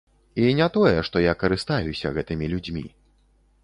І не тое, што я карыстаюся гэтымі людзьмі.